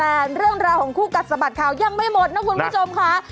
แต่เรื่องราวของคู่กัดสะบัดข่าวยังไม่หมดนะคุณผู้ชมค่ะ